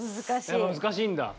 やっぱ難しいんだ。